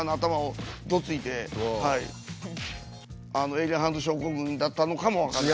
エイリアンハンド症候群だったのかも分かんない。